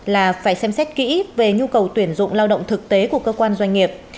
là phải xem xét kỹ về nhu cầu tuyển dụng lao động thực tế của cơ quan doanh nghiệp